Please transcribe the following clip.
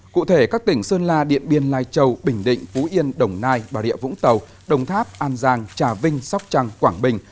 cụ thể các tỉnh sơn la điện biên lai châu bình định phú yên đồng nai bà rịa vũng tàu đồng tháp an giang trà vinh sóc trăng quảng bình